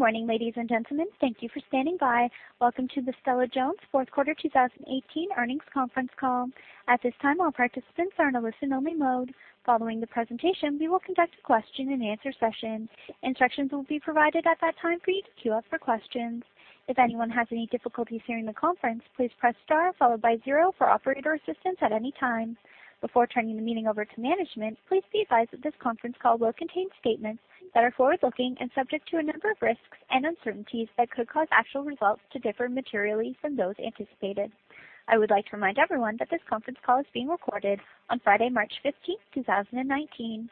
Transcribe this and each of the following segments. Good morning, ladies and gentlemen. Thank you for standing by. Welcome to the Stella-Jones Fourth Quarter 2018 Earnings Conference Call. At this time, all participants are in a listen-only mode. Following the presentation, we will conduct a question and answer session. Instructions will be provided at that time for you to queue up for questions. If anyone has any difficulties hearing the conference, please press star followed by zero for operator assistance at any time. Before turning the meeting over to management, please be advised that this conference call will contain statements that are forward-looking and subject to a number of risks and uncertainties that could cause actual results to differ materially from those anticipated. I would like to remind everyone that this conference call is being recorded on Friday, March 15th, 2019.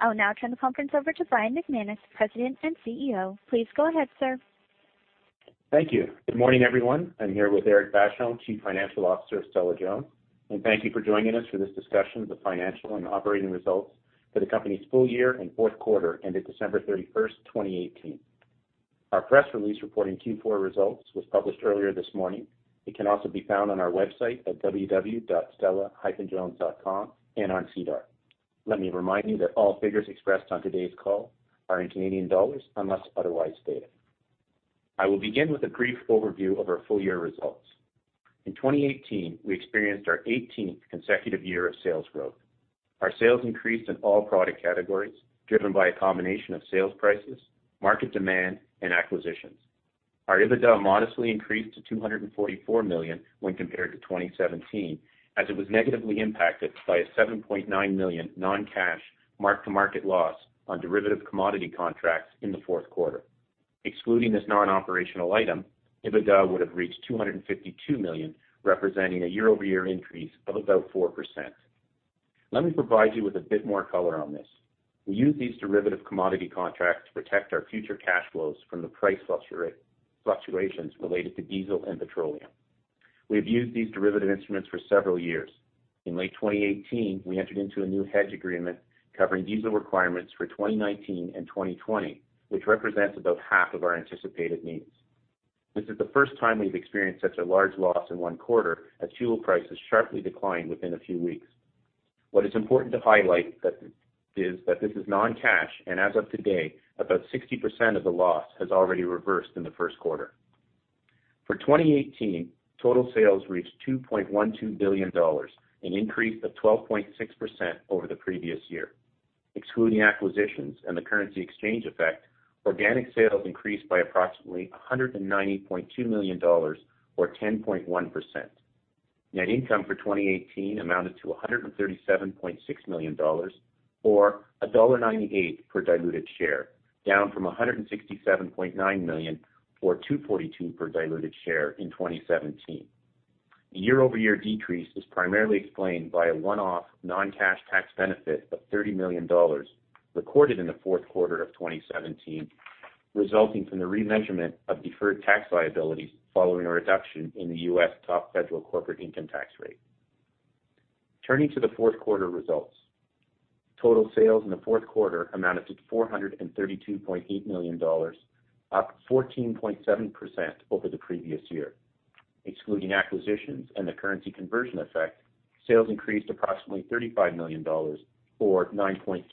I will now turn the conference over to Brian McManus, President and CEO. Please go ahead, sir. Thank you. Good morning, everyone. I am here with Eric Vachon, Chief Financial Officer of Stella-Jones. Thank you for joining us for this discussion of the financial and operating results for the company's full year and fourth quarter ended December 31st, 2018. Our press release reporting Q4 results was published earlier this morning. It can also be found on our website at www.stella-jones.com and on SEDAR. Let me remind you that all figures expressed on today's call are in Canadian dollars unless otherwise stated. I will begin with a brief overview of our full year results. In 2018, we experienced our 18th consecutive year of sales growth. Our sales increased in all product categories, driven by a combination of sales prices, market demand, acquisitions. Our EBITDA modestly increased to 244 million when compared to 2017. It was negatively impacted by a 7.9 million non-cash mark-to-market loss on derivative commodity contracts in the fourth quarter. Excluding this non-operational item, EBITDA would have reached 252 million, representing a year-over-year increase of about 4%. Let me provide you with a bit more color on this. We use these derivative commodity contracts to protect our future cash flows from the price fluctuations related to diesel and petroleum. We have used these derivative instruments for several years. In late 2018, we entered into a new hedge agreement covering diesel requirements for 2019 and 2020, which represents about half of our anticipated needs. This is the first time we have experienced such a large loss in one quarter as fuel prices sharply declined within a few weeks. What is important to highlight is that this is non-cash. As of today, about 60% of the loss has already reversed in the first quarter. For 2018, total sales reached 2.12 billion dollars, an increase of 12.6% over the previous year. Excluding acquisitions and the currency exchange effect, organic sales increased by approximately 190.2 million dollars or 10.1%. Net income for 2018 amounted to 137.6 million dollars or dollar 1.98 per diluted share, down from 167.9 million or 2.42 per diluted share in 2017. The year-over-year decrease is primarily explained by a one-off non-cash tax benefit of 30 million dollars recorded in the fourth quarter of 2017, resulting from the remeasurement of deferred tax liabilities following a reduction in the U.S. top federal corporate income tax rate. Turning to the fourth quarter results. Total sales in the fourth quarter amounted to 432.8 million dollars, up 14.7% over the previous year. Excluding acquisitions and the currency conversion effect, sales increased approximately 35 million dollars or 9.3%.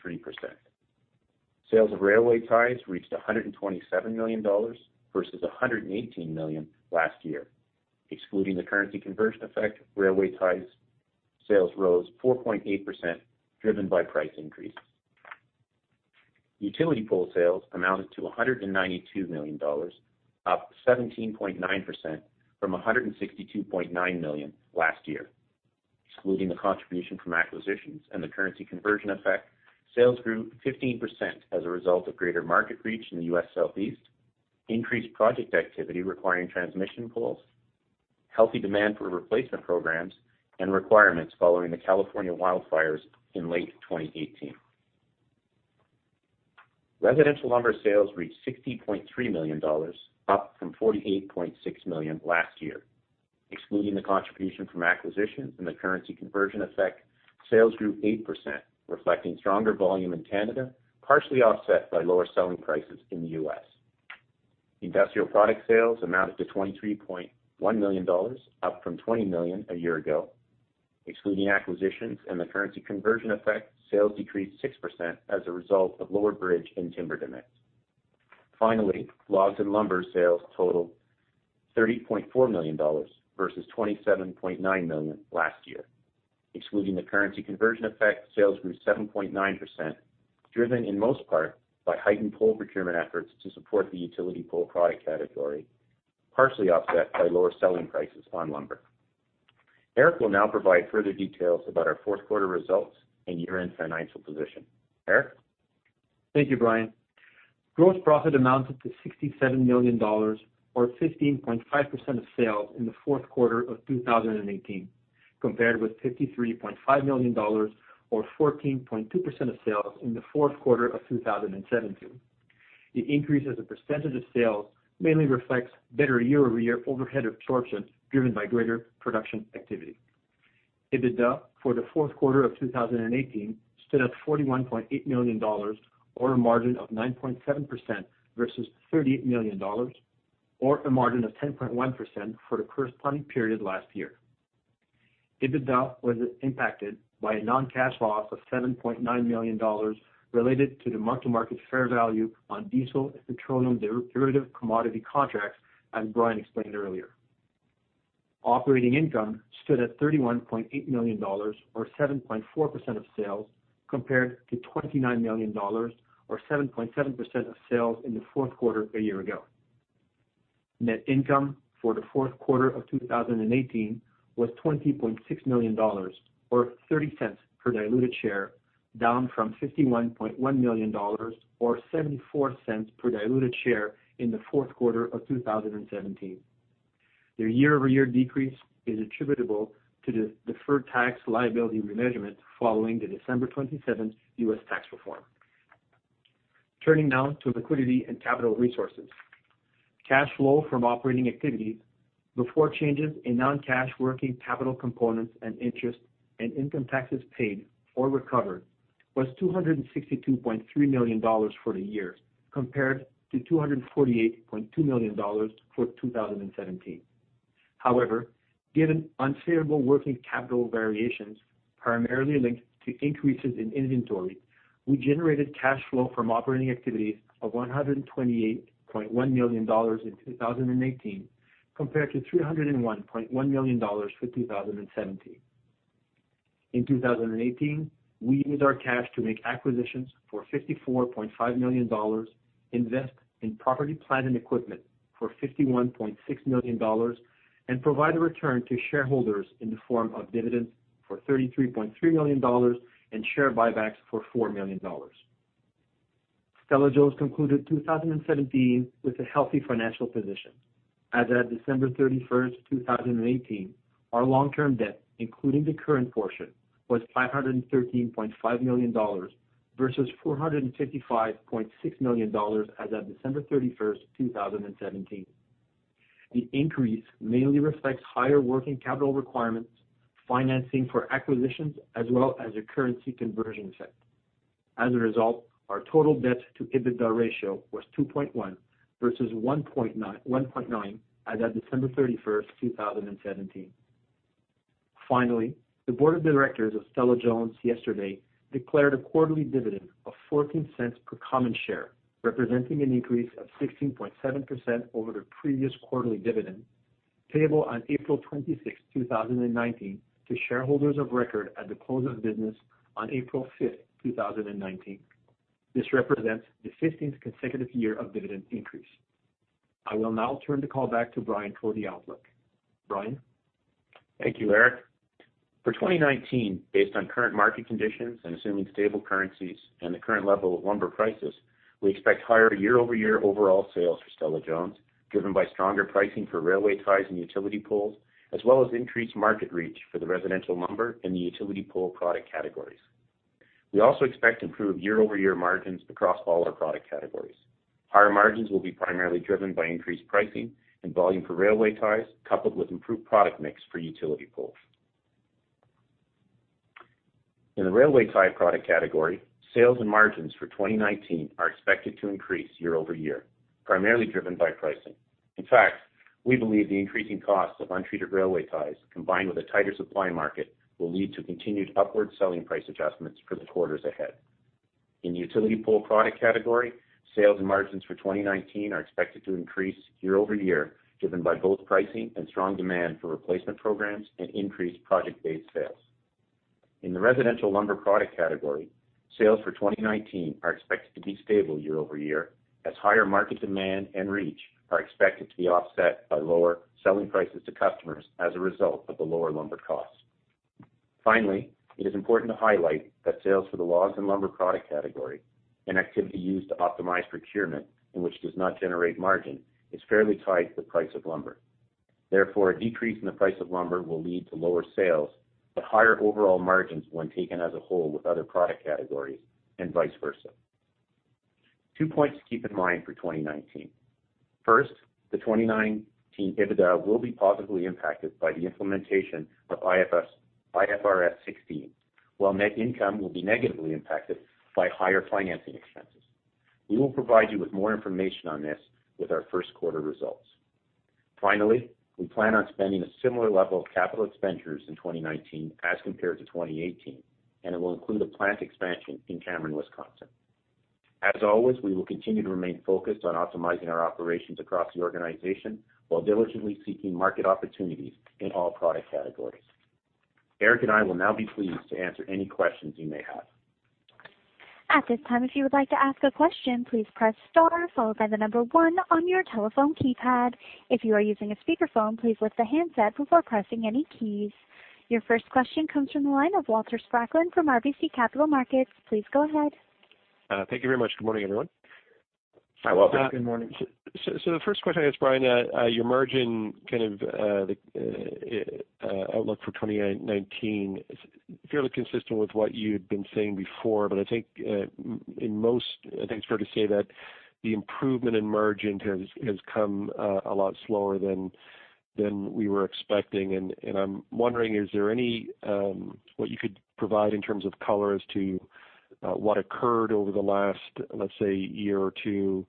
Sales of railway ties reached 127 million dollars versus 118 million last year. Excluding the currency conversion effect, railway ties sales rose 4.8%, driven by price increases. Utility pole sales amounted to 192 million dollars, up 17.9% from 162.9 million last year. Excluding the contribution from acquisitions and the currency conversion effect, sales grew 15% as a result of greater market reach in the U.S. Southeast, increased project activity requiring transmission poles, healthy demand for replacement programs, and requirements following the California wildfires in late 2018. Residential lumber sales reached 60.3 million dollars, up from 48.6 million last year. Excluding the contribution from acquisitions and the currency conversion effect, sales grew 8%, reflecting stronger volume in Canada, partially offset by lower selling prices in the U.S. Industrial products sales amounted to 23.1 million dollars, up from 20 million a year ago. Excluding acquisitions and the currency conversion effect, sales decreased 6% as a result of lower bridge and timber demand. Finally, logs and lumber sales totaled 30.4 million dollars versus 27.9 million last year. Excluding the currency conversion effect, sales grew 7.9%, driven in most part by heightened pole procurement efforts to support the utility pole product category, partially offset by lower selling prices on lumber. Eric will now provide further details about our fourth quarter results and year-end financial position. Eric? Thank you, Brian. Gross profit amounted to 67 million dollars, or 15.5% of sales in the fourth quarter of 2018, compared with CAD 53.5 million or 14.2% of sales in the fourth quarter of 2017. The increase as a percentage of sales mainly reflects better year-over-year overhead absorption driven by greater production activity. EBITDA for the fourth quarter of 2018 stood at 41.8 million dollars, or a margin of 9.7%, versus 38 million dollars, or a margin of 10.1% for the corresponding period last year. EBITDA was impacted by a non-cash loss of 7.9 million dollars related to the mark-to-market fair value on diesel and petroleum derivative commodity contracts, as Brian explained earlier. Operating income stood at 31.8 million dollars, or 7.4% of sales, compared to 29 million dollars, or 7.7% of sales in the fourth quarter a year ago. Net income for the fourth quarter of 2018 was 20.6 million dollars, or 0.30 per diluted share, down from 51.1 million dollars, or 0.74 per diluted share in the fourth quarter of 2017. The year-over-year decrease is attributable to the deferred tax liability remeasurement following the December 27th U.S. tax reform. Turning now to liquidity and capital resources. Cash flow from operating activities, before changes in non-cash working capital components and interest and income taxes paid or recovered, was 262.3 million dollars for the year, compared to 248.2 million dollars for 2017. However, given unfavorable working capital variations primarily linked to increases in inventory, we generated cash flow from operating activities of 128.1 million dollars in 2018, compared to 301.1 million dollars for 2017. In 2018, we used our cash to make acquisitions for 54.5 million dollars, invest in property, plant, and equipment for 51.6 million dollars, and provide a return to shareholders in the form of dividends for 33.3 million dollars and share buybacks for 4 million dollars. Stella-Jones concluded 2017 with a healthy financial position. As at December 31st, 2018, our long-term debt, including the current portion, was 513.5 million dollars versus 455.6 million dollars as at December 31st, 2017. The increase mainly reflects higher working capital requirements, financing for acquisitions, as well as a currency conversion effect. As a result, our total debt to EBITDA ratio was 2.1 versus 1.9 as at December 31st, 2017. Finally, the board of directors of Stella-Jones yesterday declared a quarterly dividend of 0.14 per common share, representing an increase of 16.7% over the previous quarterly dividend, payable on April 26th, 2019, to shareholders of record at the close of business on April 5th, 2019. This represents the 15th consecutive year of dividend increase. I will now turn the call back to Brian for the outlook. Brian? Thank you, Eric. For 2019, based on current market conditions and assuming stable currencies and the current level of lumber prices, we expect higher year-over-year overall sales for Stella-Jones, driven by stronger pricing for railway ties and utility poles, as well as increased market reach for the residential lumber and the utility pole product categories. We also expect improved year-over-year margins across all our product categories. Higher margins will be primarily driven by increased pricing and volume for railway ties, coupled with improved product mix for utility poles. In the railway tie product category, sales and margins for 2019 are expected to increase year over year, primarily driven by pricing. In fact, we believe the increasing costs of untreated railway ties, combined with a tighter supply market, will lead to continued upward selling price adjustments for the quarters ahead. In the utility pole product category, sales and margins for 2019 are expected to increase year-over-year, driven by both pricing and strong demand for replacement programs and increased project-based sales. In the residential lumber product category, sales for 2019 are expected to be stable year-over-year, as higher market demand and reach are expected to be offset by lower selling prices to customers as a result of the lower lumber costs. Finally, it is important to highlight that sales for the logs and lumber product category, an activity used to optimize procurement in which does not generate margin, is fairly tied to the price of lumber. Therefore, a decrease in the price of lumber will lead to lower sales, but higher overall margins when taken as a whole with other product categories and vice versa. Two points to keep in mind for 2019. First, the 2019 EBITDA will be positively impacted by the implementation of IFRS 16, while net income will be negatively impacted by higher financing expenses. We will provide you with more information on this with our first quarter results. Finally, we plan on spending a similar level of capital expenditures in 2019 as compared to 2018, and it will include a plant expansion in Cameron, Wisconsin. As always, we will continue to remain focused on optimizing our operations across the organization while diligently seeking market opportunities in all product categories. Eric and I will now be pleased to answer any questions you may have. At this time, if you would like to ask a question, please press star followed by the number 1 on your telephone keypad. If you are using a speakerphone, please lift the handset before pressing any keys. Your first question comes from the line of Walter Spracklin from RBC Capital Markets. Please go ahead. Thank you very much. Good morning, everyone. Hi, Walter. Good morning. The first question is, Brian, your margin kind of outlook for 2019 is fairly consistent with what you'd been saying before. I think it's fair to say that the improvement in margin has come a lot slower than we were expecting, and I'm wondering what you could provide in terms of color as to what occurred over the last, let's say, year or two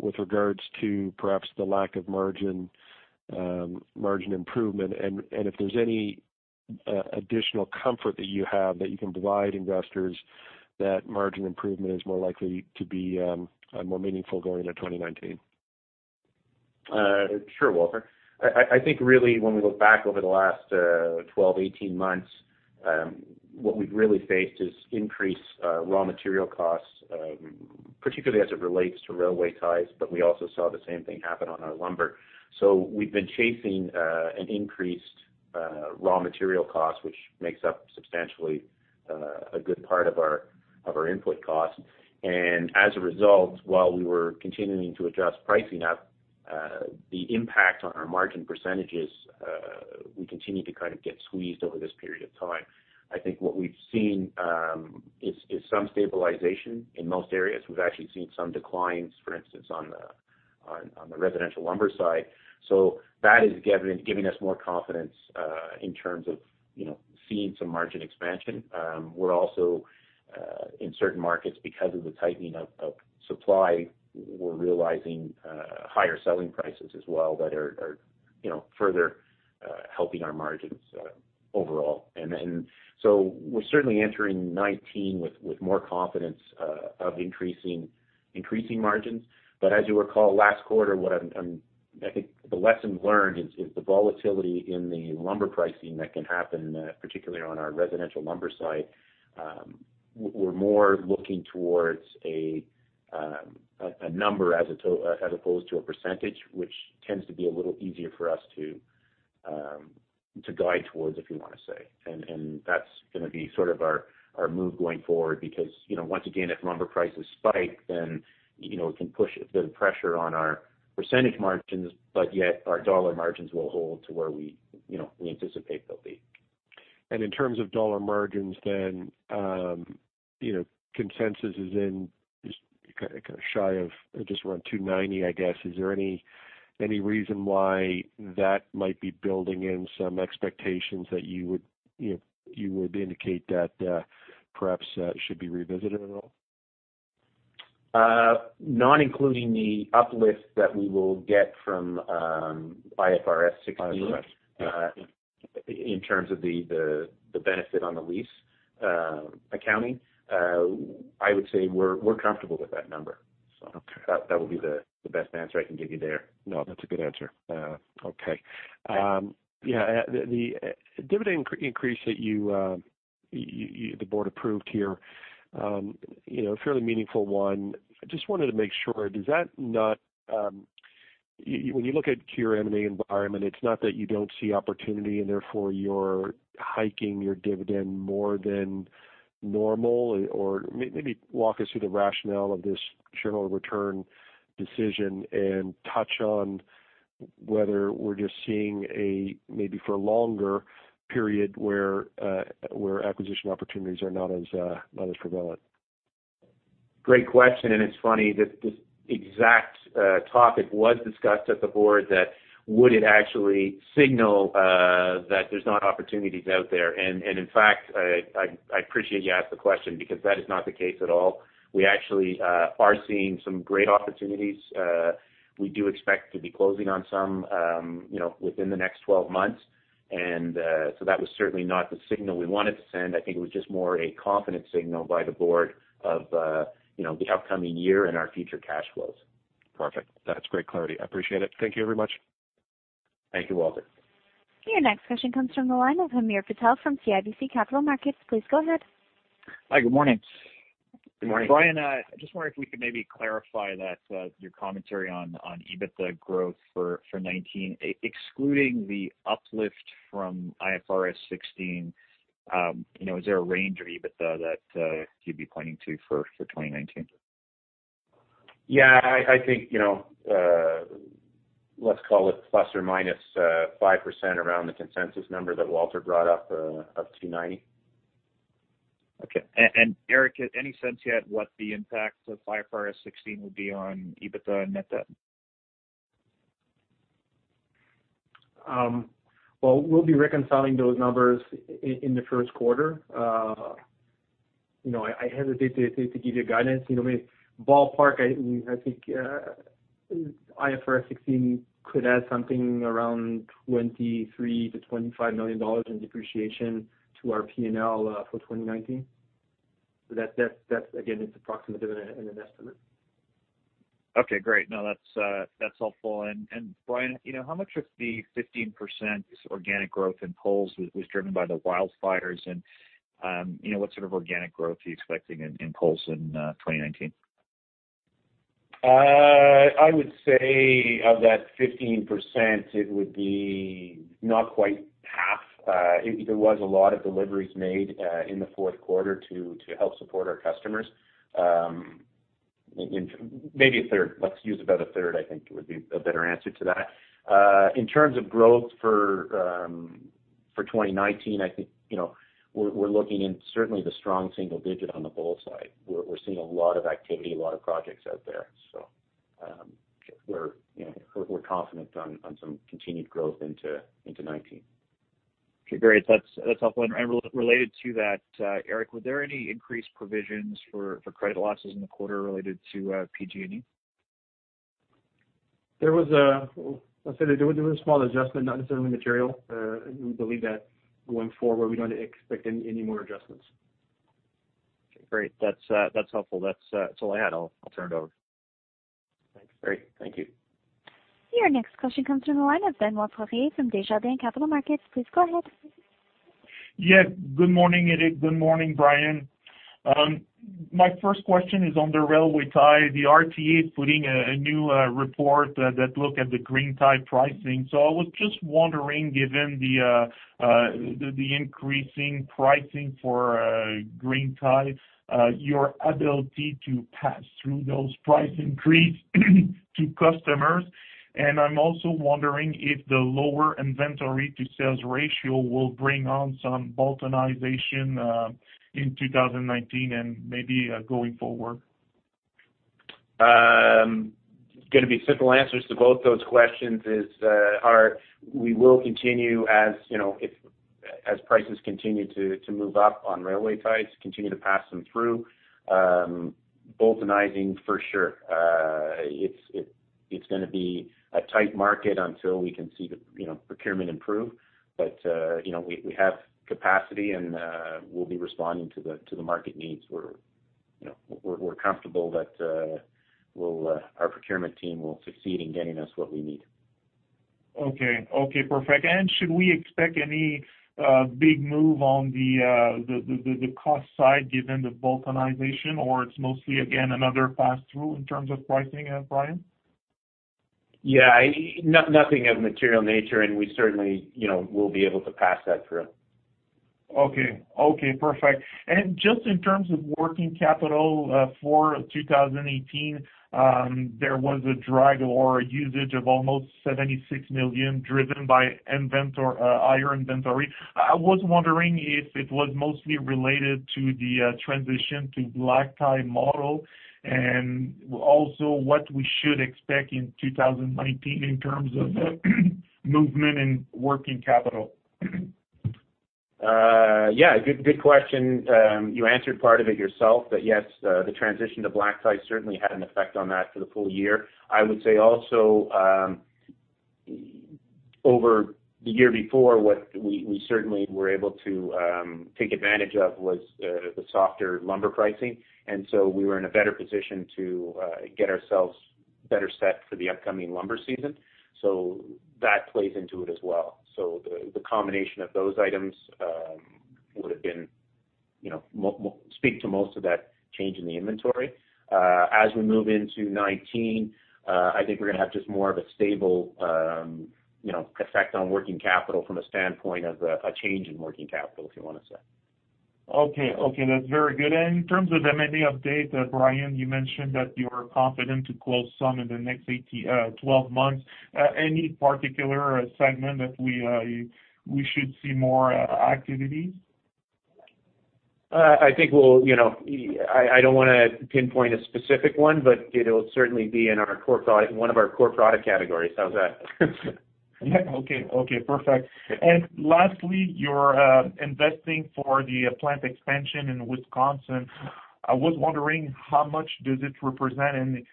with regards to perhaps the lack of margin improvement, and if there's any additional comfort that you have that you can provide investors that margin improvement is more likely to be more meaningful going into 2019. Sure, Walter. I think really when we look back over the last 12, 18 months, what we've really faced is increased raw material costs, particularly as it relates to railway ties, we also saw the same thing happen on our lumber. We've been chasing an increased raw material cost, which makes up substantially a good part of our input costs. As a result, while we were continuing to adjust pricing up, the impact on our margin percentages, we continued to kind of get squeezed over this period of time. I think what we've seen is some stabilization in most areas. We've actually seen some declines, for instance, on the residential lumber side. That is giving us more confidence in terms of seeing some margin expansion. We're also in certain markets because of the tightening of supply, we're realizing higher selling prices as well that are further helping our margins overall. We're certainly entering 2019 with more confidence of increasing margins. As you recall, last quarter, I think the lesson learned is the volatility in the lumber pricing that can happen, particularly on our residential lumber side. We're more looking towards a number as opposed to a percentage, which tends to be a little easier for us to guide towards, if you want to say. That's going to be sort of our move going forward because, once again, if lumber prices spike, then it can put pressure on our percentage margins, but yet our dollar margins will hold to where we anticipate they'll be. In terms of dollar margins then, consensus is in just kind of shy of just around 290, I guess. Is there any reason why that might be building in some expectations that you would indicate that perhaps should be revisited at all? Not including the uplift that we will get from IFRS 16. IFRS, yeah. In terms of the benefit on the lease accounting, I would say we're comfortable with that number. Okay. That would be the best answer I can give you there. No, that's a good answer. Okay. The dividend increase that the board approved here, a fairly meaningful one. I just wanted to make sure, when you look at your M&A environment, it's not that you don't see opportunity and therefore you're hiking your dividend more than normal, or maybe walk us through the rationale of this shareholder return decision and touch on whether we're just seeing a, maybe for longer period, where acquisition opportunities are not as prevalent. Great question, and it's funny that this exact topic was discussed at the board that would it actually signal that there's not opportunities out there? In fact, I appreciate you asked the question because that is not the case at all. We actually are seeing some great opportunities. We do expect to be closing on some within the next 12 months. So that was certainly not the signal we wanted to send. I think it was just more a confidence signal by the board of the upcoming year and our future cash flows. Perfect. That's great clarity. I appreciate it. Thank you very much. Thank you, Walter. Your next question comes from the line of Hamir Patel from CIBC Capital Markets. Please go ahead. Hi, good morning. Good morning. Brian, I just wonder if we could maybe clarify that your commentary on EBITDA growth for 2019, excluding the uplift from IFRS 16, is there a range of EBITDA that you'd be pointing to for 2019? Yeah, I think, let's call it ±5% around the consensus number that Walter brought up of 290. Okay. Eric, any sense yet what the impact of IFRS 16 will be on EBITDA and net debt? Well, we'll be reconciling those numbers in the first quarter. I hesitate to give you guidance. Ballpark, I think IFRS 16 could add something around 23 million-25 million dollars in depreciation to our P&L for 2019. That, again, is approximate and an estimate. Okay, great. No, that's helpful. Brian, how much of the 15% organic growth in poles was driven by the wildfires and what sort of organic growth are you expecting in poles in 2019? I would say of that 15%, it would be not quite half. There was a lot of deliveries made in the fourth quarter to help support our customers. Maybe a third. Let's use about a third, I think would be a better answer to that. In terms of growth for 2019, I think we're looking in certainly the strong single digit on the pole side. We're seeing a lot of activity, a lot of projects out there, so we're confident on some continued growth into 2019. Okay, great. That's helpful. Related to that, Eric, were there any increased provisions for credit losses in the quarter related to PG&E? There was a small adjustment, not necessarily material. We believe that going forward, we don't expect any more adjustments. Okay, great. That's helpful. That's all I had. I'll turn it over. Thanks. Great. Thank you. Your next question comes from the line of Benoit Poirier from Desjardins Capital Markets. Please go ahead. Yes. Good morning, Eric. Good morning, Brian. My first question is on the railway tie. The RTA is putting a new report that look at the green tie pricing. I was just wondering, given the increasing pricing for green tie, your ability to pass through those price increase to customers, and I'm also wondering if the lower inventory to sales ratio will bring on some Boultonization in 2019 and maybe going forward. Going to be simple answers to both those questions is, we will continue as prices continue to move up on railway ties, continue to pass them through. Boultonizing for sure. It's going to be a tight market until we can see the procurement improve. We have capacity, and we'll be responding to the market needs. We're comfortable that our procurement team will succeed in getting us what we need. Okay. Perfect. Should we expect any big move on the cost side given the Boultonization, or it's mostly again another pass-through in terms of pricing, Brian? Yeah. Nothing of material nature, we certainly will be able to pass that through. Okay. Perfect. Just in terms of working capital for 2018, there was a drag or a usage of almost 76 million driven by higher inventory. I was wondering if it was mostly related to the transition to black tie model, and also what we should expect in 2019 in terms of movement in working capital. Yeah. Good question. You answered part of it yourself, but yes, the transition to black tie certainly had an effect on that for the full year. I would say also, over the year before, what we certainly were able to take advantage of was the softer lumber pricing, and so we were in a better position to get ourselves better set for the upcoming lumber season. That plays into it as well. The combination of those items would speak to most of that change in the inventory. As we move into 2019, I think we're going to have just more of a stable effect on working capital from a standpoint of a change in working capital, if you want to say. Okay. That's very good. In terms of M&A update, Brian, you mentioned that you're confident to close some in the next 12 months. Any particular segment that we should see more activities? I don't want to pinpoint a specific one, but it'll certainly be in one of our core product categories. How's that? Lastly, you're investing for the plant expansion in Wisconsin. I was wondering how much does it represent, and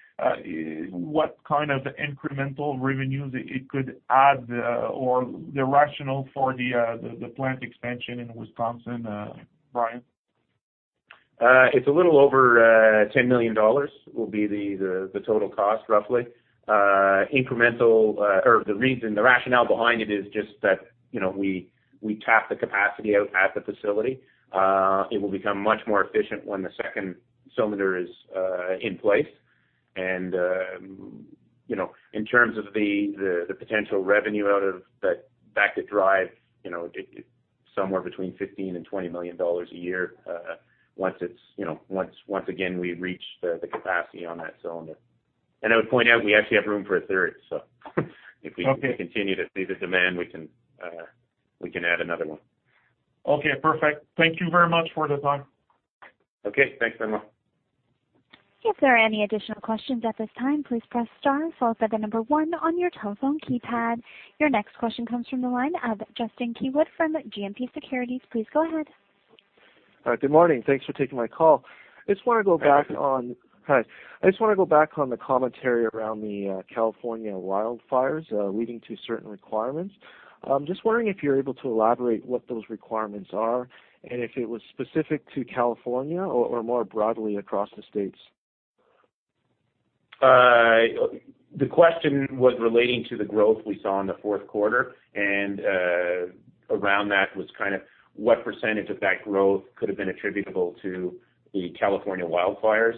what kind of incremental revenues it could add, or the rationale for the plant expansion in Wisconsin, Brian? It's a little over 10 million dollars will be the total cost, roughly. The rationale behind it is just that we tapped the capacity out at the facility. It will become much more efficient when the second cylinder is in place. In terms of the potential revenue out of that, back of drive, it's somewhere between 15 million-20 million dollars a year, once again, we've reached the capacity on that cylinder. I would point out, we actually have room for a third. Okay. continue to see the demand, we can add another one. Okay, perfect. Thank you very much for the time. Okay, thanks very much. If there are any additional questions at this time, please press star followed by the number 1 on your telephone keypad. Your next question comes from the line of Justin Keywood from GMP Securities. Please go ahead. All right. Good morning. Thanks for taking my call. Hey. Hi. I just want to go back on the commentary around the California wildfires leading to certain requirements. Just wondering if you're able to elaborate what those requirements are, and if it was specific to California or more broadly across the states. The question was relating to the growth we saw in the fourth quarter, around that was kind of what percentage of that growth could have been attributable to the California wildfires.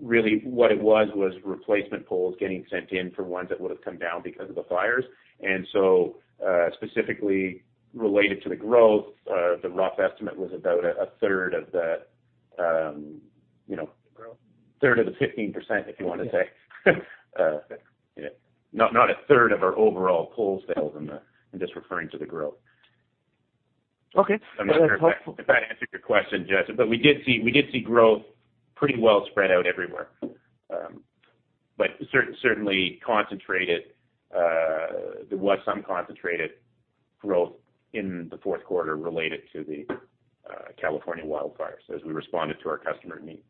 Really what it was replacement poles getting sent in for ones that would've come down because of the fires. Specifically related to the growth, the rough estimate was about a third of the- Growth third of the 15%, if you want to say. Not a third of our overall poles sales, I'm just referring to the growth. Okay. That's helpful. I'm not sure if I answered your question, Justin, we did see growth pretty well spread out everywhere. Certainly concentrated. There was some concentrated growth in the fourth quarter related to the California wildfires as we responded to our customer needs.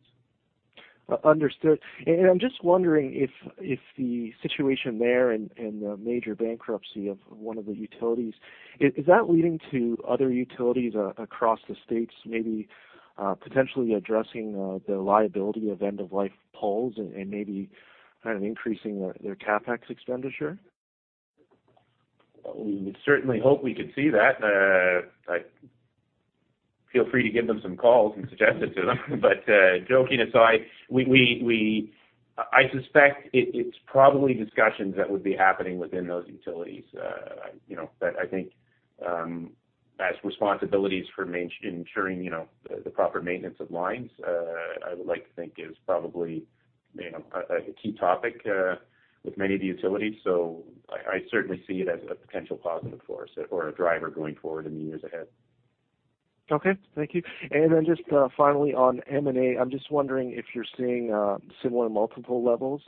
Understood. I'm just wondering if the situation there and the major bankruptcy of one of the utilities, is that leading to other utilities across the states maybe potentially addressing the liability of end-of-life poles and maybe increasing their CapEx expenditure? We would certainly hope we could see that. Feel free to give them some calls and suggest it to them. Joking aside, I suspect it's probably discussions that would be happening within those utilities, that I think as responsibilities for ensuring the proper maintenance of lines, I would like to think is probably a key topic with many of the utilities. I certainly see it as a potential positive force or a driver going forward in the years ahead. Okay. Thank you. Just finally on M&A, I'm just wondering if you're seeing similar multiple levels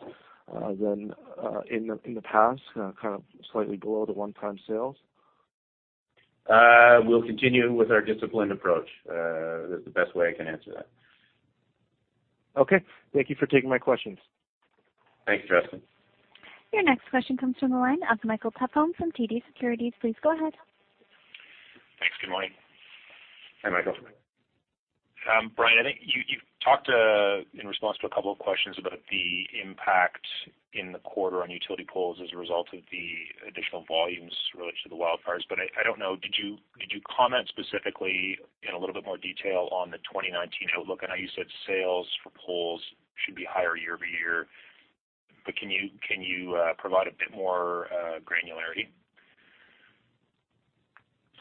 than in the past, kind of slightly below the one-time sales. We'll continue with our disciplined approach. That's the best way I can answer that. Okay. Thank you for taking my questions. Thanks, Justin. Your next question comes from the line of Michael Tupholme from TD Securities. Please go ahead. Thanks. Good morning. Hi, Michael. Brian, I think you've talked, in response to a couple of questions, about the impact in the quarter on utility poles as a result of the additional volumes related to the wildfires. I don't know, did you comment specifically in a little bit more detail on the 2019 outlook? How you said sales for poles should be higher year-over-year, can you provide a bit more granularity?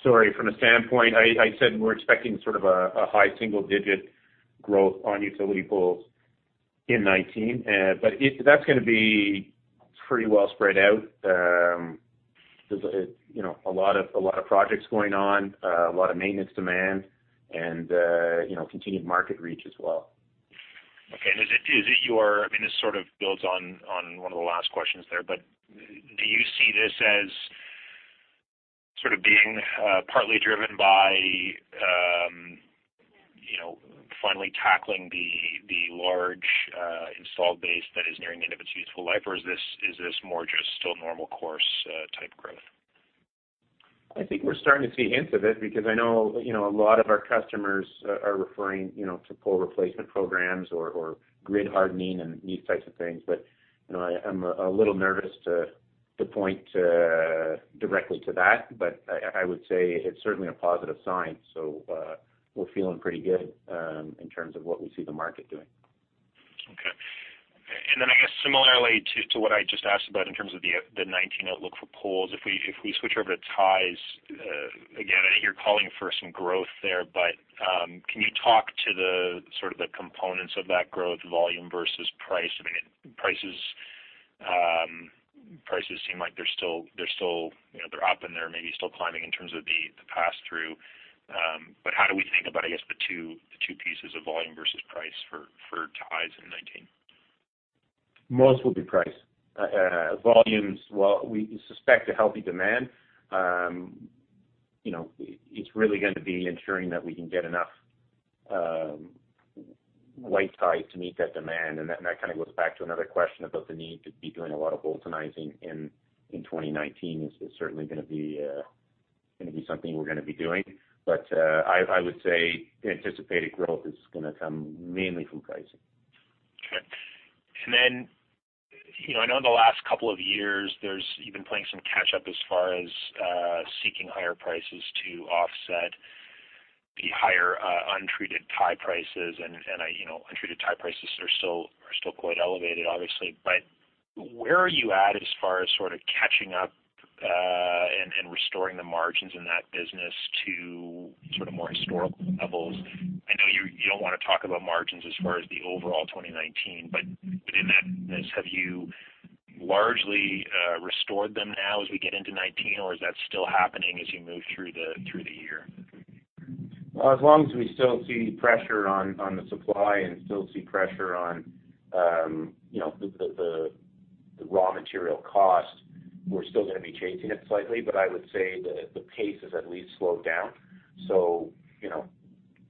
Sorry. From a standpoint, I said we're expecting sort of a high single-digit growth on utility poles in 2019. That's going to be pretty well spread out. There's a lot of projects going on, a lot of maintenance demand, and continued market reach as well. Okay. This sort of builds on one of the last questions there, do you see this as sort of being partly driven by finally tackling the large install base that is nearing the end of its useful life, or is this more just still normal course type growth? I think we're starting to see hints of it because I know a lot of our customers are referring to pole replacement programs or grid hardening and these types of things. I'm a little nervous to point directly to that, but I would say it's certainly a positive sign. We're feeling pretty good in terms of what we see the market doing. Okay. I guess similarly to what I just asked about in terms of the 2019 outlook for poles, if we switch over to ties, again, I think you're calling for some growth there, but can you talk to the sort of the components of that growth volume versus price? Prices seem like they're up and they're maybe still climbing in terms of the pass-through. How do we think about, I guess, the two pieces of volume versus price for ties in 2019? Most will be price. Volumes, well, we suspect a healthy demand. It's really going to be ensuring that we can get enough white ties to meet that demand, and that kind of goes back to another question about the need to be doing a lot of Boultonizing in 2019 is certainly going to be something we're going to be doing. I would say the anticipated growth is going to come mainly from pricing. Okay. I know in the last couple of years, you've been playing some catch up as far as seeking higher prices to offset the higher untreated tie prices, and untreated tie prices are still quite elevated, obviously. Where are you at as far as sort of catching up and restoring the margins in that business to sort of more historical levels? I know you don't want to talk about margins as far as the overall 2019, but in that, have you largely restored them now as we get into 2019, or is that still happening as you move through the year? As long as we still see pressure on the supply and still see pressure on the raw material cost, we're still going to be chasing it slightly, but I would say the pace has at least slowed down.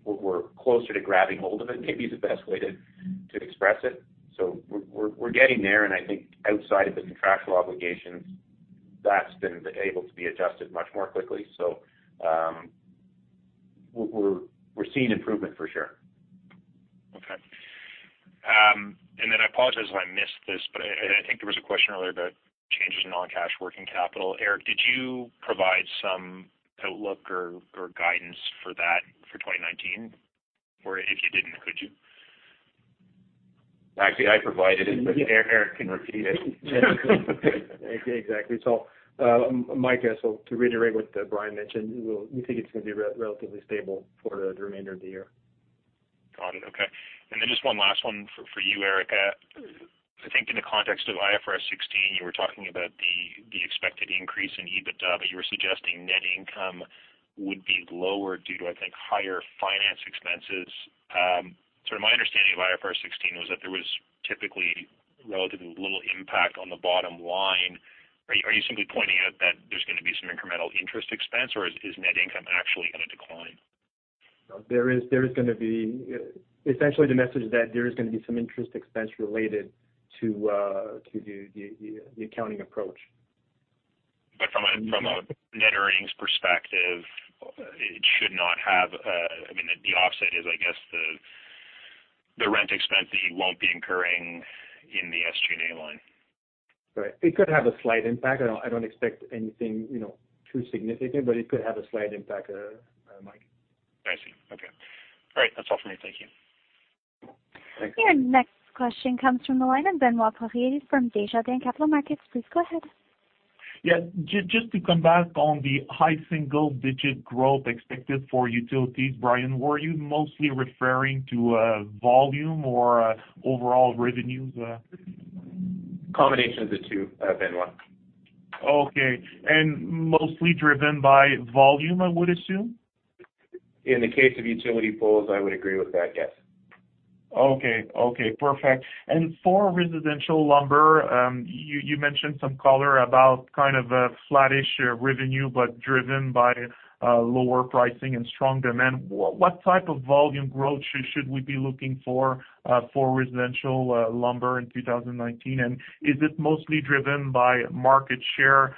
We're closer to grabbing hold of it, maybe is the best way to express it. We're getting there, and I think outside of the contractual obligations, that's been able to be adjusted much more quickly. We're seeing improvement for sure. Okay. I apologize if I missed this, but I think there was a question earlier about changes in non-cash working capital. Eric, did you provide some outlook or guidance for that for 2019? Or if you didn't, could you? Actually, I provided it, but Eric can repeat it. Exactly. Mike, to reiterate what Brian mentioned, we think it's going to be relatively stable for the remainder of the year. Got it. Okay. Just one last one for you, Eric. I think in the context of IFRS 16, you were talking about the expected increase in EBITDA, you were suggesting net income would be lower due to, I think, higher finance expenses. My understanding of IFRS 16 was that there was typically relatively little impact on the bottom line. Are you simply pointing out that there's going to be some incremental interest expense, or is net income actually going to decline? No. Essentially, the message is that there is going to be some interest expense related to the accounting approach. From a net earnings perspective, it should not have. The offset is, I guess, the rent expense that you won't be incurring in the SG&A line. Right. It could have a slight impact. I don't expect anything too significant, it could have a slight impact, Mike. I see. Okay. All right. That's all for me. Thank you. Thanks. Your next question comes from the line of Benoit Poirier from Desjardins Capital Markets. Please go ahead. Yeah. Just to come back on the high single-digit growth expected for utilities. Brian, were you mostly referring to volume or overall revenues? Combination of the two, Benoit. Okay. Mostly driven by volume, I would assume? In the case of utility poles, I would agree with that, yes. Okay. Perfect. For residential lumber, you mentioned some color about a flattish revenue, but driven by lower pricing and strong demand. What type of volume growth should we be looking for for residential lumber in 2019? Is it mostly driven by market share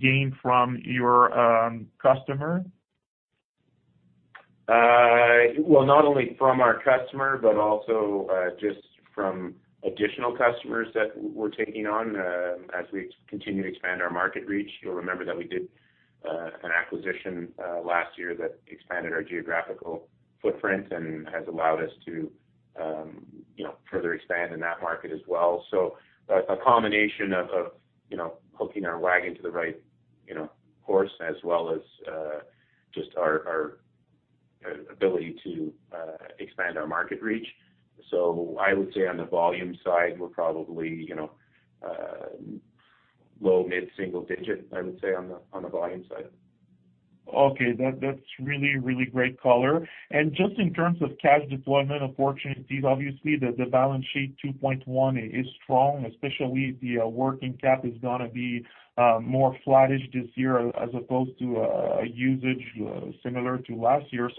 gain from your customer? Well, not only from our customer, but also just from additional customers that we're taking on as we continue to expand our market reach. You'll remember that we did an acquisition last year that expanded our geographical footprint and has allowed us to further expand in that market as well. A combination of hooking our wagon to the right course as well as just our ability to expand our market reach. I would say on the volume side, we're probably low mid-single digit, I would say, on the volume side. Okay. That's really great color. Just in terms of cash deployment opportunities, obviously the balance sheet 2.1 is strong, especially the working cap is going to be more flattish this year as opposed to a usage similar to last year.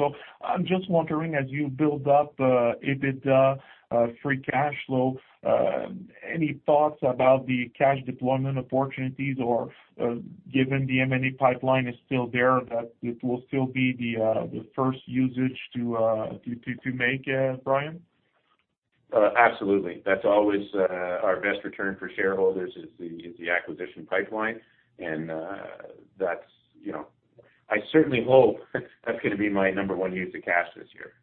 I'm just wondering, as you build up EBITDA free cash flow, any thoughts about the cash deployment opportunities, or given the M&A pipeline is still there, that it will still be the first usage to make, Brian? Absolutely. That's always our best return for shareholders is the acquisition pipeline. I certainly hope that's going to be my number 1 use of cash this year.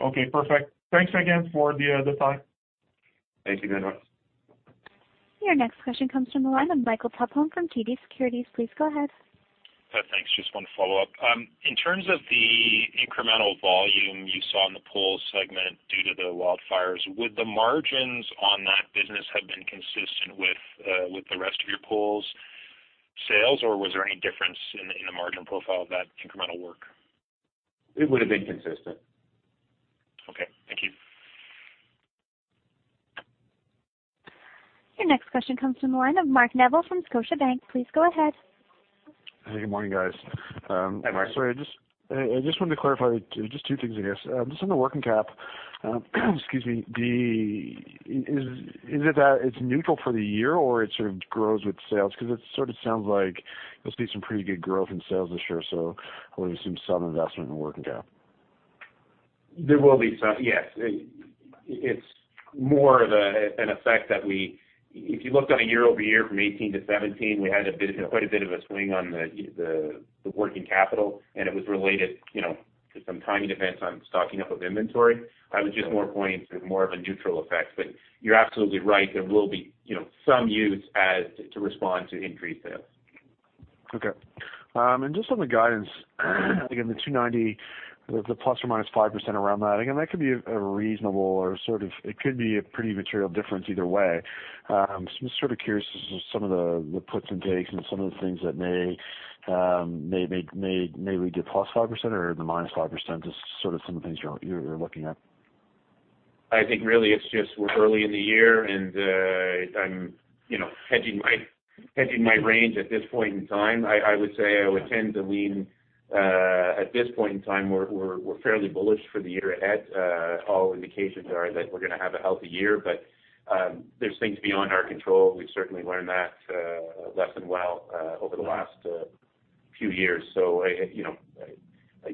Okay, perfect. Thanks again for the thought. Thank you, Benoit. Your next question comes from the line of Michael Tupholme from TD Securities. Please go ahead. Thanks. Just one follow-up. In terms of the incremental volume you saw in the pole segment due to the wildfires, would the margins on that business have been consistent with the rest of your poles sales? Or was there any difference in the margin profile of that incremental work? It would've been consistent. Okay. Thank you. Your next question comes from the line of Mark Neville from Scotiabank. Please go ahead. Good morning, guys. Hi, Mark. Sorry, I just wanted to clarify just two things, I guess. Just on the working cap, excuse me, is it that it's neutral for the year, or it sort of grows with sales? Because it sort of sounds like there'll be some pretty good growth in sales this year, so I would assume some investment in working cap. There will be some, yes. It's more of an effect that if you looked on a year-over-year from 2018 to 2017, we had quite a bit of a swing on the working capital. It was related to some timing events on stocking up of inventory. I was just more pointing to more of a neutral effect. You're absolutely right. There will be some use to respond to increased sales. Okay. Just on the guidance, again, the 290, the ±5% around that, again, that could be a reasonable or it could be a pretty material difference either way. I'm just sort of curious as to some of the puts and takes and some of the things that may lead to +5% or the -5%, just sort of some of the things you're looking at. I think really it's just we're early in the year and I'm hedging my range at this point in time. I would say I would tend to lean at this point in time, we're fairly bullish for the year ahead. All indications are that we're going to have a healthy year, but there's things beyond our control. We've certainly learned that lesson well over the last few years.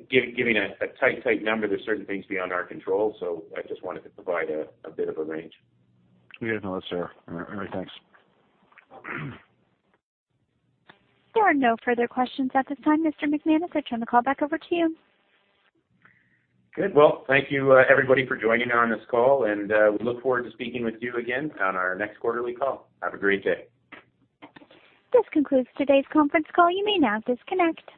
Giving a tight number, there's certain things beyond our control. I just wanted to provide a bit of a range. Good to know, sir. All right, thanks. There are no further questions at this time. Mr. McManus, I turn the call back over to you. Good. Well, thank you everybody for joining on this call. We look forward to speaking with you again on our next quarterly call. Have a great day. This concludes today's conference call. You may now disconnect.